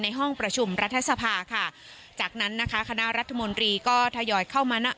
ห้องประชุมรัฐสภาค่ะจากนั้นนะคะคณะรัฐมนตรีก็ทยอยเข้ามา